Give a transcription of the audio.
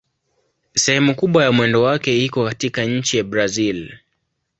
Sehemu kubwa ya mwendo wake iko katika nchi ya Brazil.